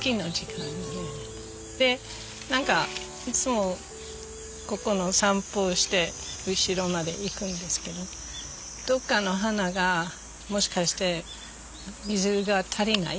で何かいつもここの散歩して後ろまで行くんですけどどっかの花がもしかして水が足りない。